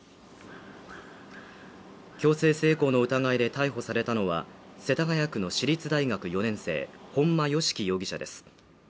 強制性交の疑いで逮捕されたのは世田谷区の私立大学４年生本間喜生容疑者です